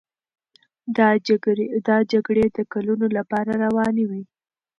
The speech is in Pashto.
دا جګړې د کلونو لپاره روانې وې.